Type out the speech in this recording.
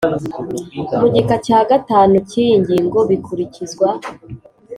mu gika cya gatanu cy iyi ngingo bikurikizwa